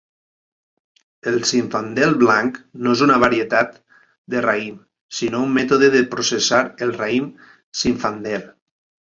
El zinfandel blanc no és una varietat de raïm sinó un mètode de processar el raïm zinfandel.